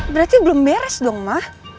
berarti belum beres dong mah